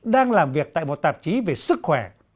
đang làm việc tại một tạp chí về sức khỏe